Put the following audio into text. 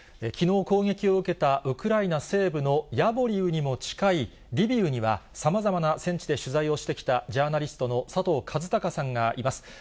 きのう攻撃を受けたウクライナ西部のヤボリウにも近いリビウには、さまざまな戦地で取材をしてきたジャーナリストの佐藤和孝さんがいます。